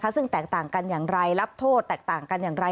ซึ่งแตกต่างกันอย่างไรรับโทษแตกต่างกันอย่างไร